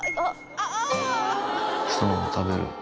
人のも食べる。